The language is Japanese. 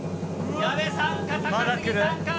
矢部さんか高杉さんか。